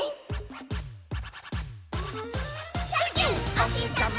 「おひさま